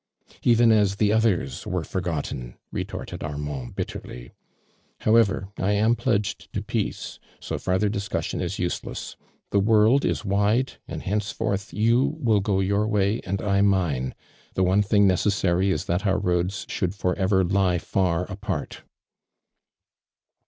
•Even as the others were forgotten!" retorted Armand, bitterly. "However,! am pledged to peace, so farther discussion is useless. The world is wide and hence forth you will go your way and I mine. The one thing necessary is tliat our roads should for ever lie far apart."